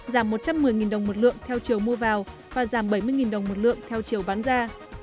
giảm một trăm một mươi đồng một lượng theo chiều mua vào và giảm bảy mươi đồng một lượng theo chiều bán ra